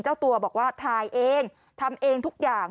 เจ้าตัวบอกว่าถ่ายเองทำเองทุกอย่าง